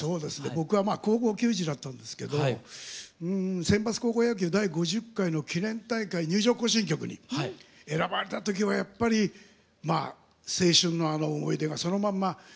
僕は高校球児だったんですけど選抜高校野球第５０回の記念大会入場行進曲に選ばれた時はやっぱり青春のあの思い出がそのまんま歌で。